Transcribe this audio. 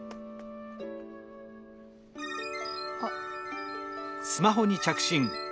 あっ。